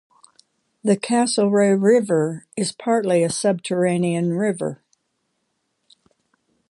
The Castlereagh River is partly a subterranean river.